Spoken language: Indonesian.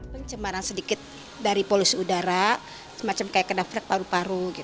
pencemaran sedikit dari polusi udara semacam kayak kedaftar paru paru